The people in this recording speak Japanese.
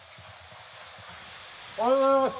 おはようございます！